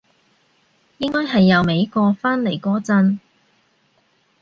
應該係由美國返嚟嗰陣